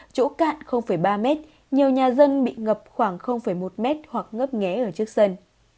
chỗ cạn ba m nhiều nhà dân bị ngập khoảng một m hoặc ngấp nghé ở trước sân